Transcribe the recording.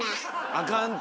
あかんて。